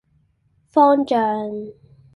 方丈